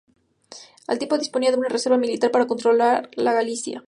Al tiempo disponía de una reserva militar para controlar la Galia.